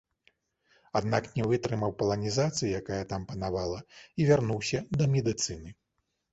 Аднак не вытрымаў паланізацыі, якая там панавала, і вярнуўся да медыцыны.